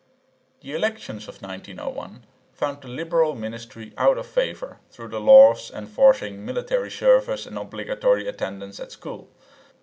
The elections of 1901 found the liberal ministry out of favour through the laws enforcing military service and obligatory attendance at school.